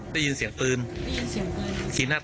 ได้ยินเสียงปืนได้ยินเสียงปืน๔นัด